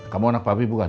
kamu anak papih bukan